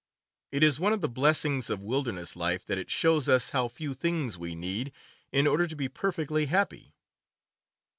It is one of the blessings of wilderness life that it shows us how few things we need in order to be perfectly happy.